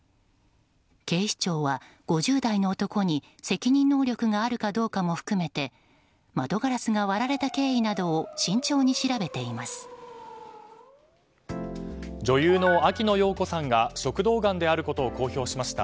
警視庁は５０代の男に責任能力があるかどうかも含めて窓ガラスが割られた経緯などを慎重に調べています。